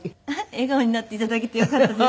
笑顔になって頂けてよかったです。